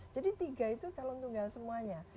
jadi tiga itu calon tunggal semuanya